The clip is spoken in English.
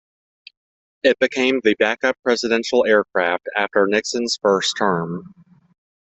It became the backup presidential aircraft after Nixon's first term.